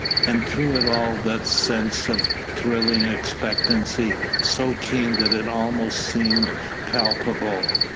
And through it all that sense of thrilling expectancy, so keen that it almost seemed palpable.